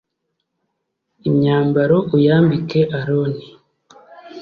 imyambaro uyambike aroni